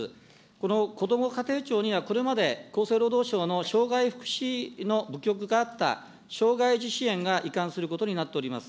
このこども家庭庁には、これまで、厚生労働省の障害福祉の部局があった、障害児支援が移管することになっております。